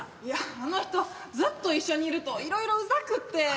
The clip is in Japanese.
いやあの人ずっと一緒にいるといろいろウザくって。